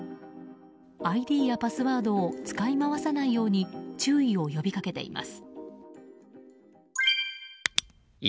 ＩＤやパスワードを使い回さないように注意を呼び掛けています。